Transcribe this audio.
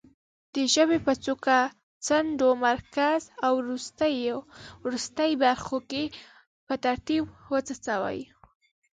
د ژبې په څوکه، څنډو، مرکز او وروستۍ برخو کې په ترتیب وڅڅوي.